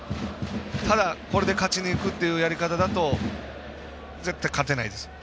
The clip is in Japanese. ただ、これで勝ちにいくっていうやり方だと、絶対勝てないです。